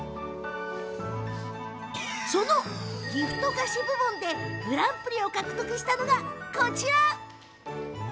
そのギフト菓子部門でグランプリを獲得したのがこちら。